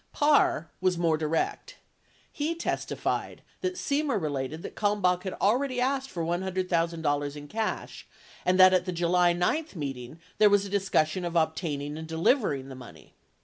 54 Parr was more direct ; he testified that Semer related that Kalmbach had already asked for $100,000 in cash and that at the July 9 meet ing there was a discussion of obtaining and delivering the money.